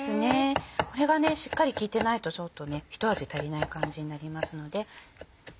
これがしっかり効いてないとちょっとねひと味足りない感じになりますので。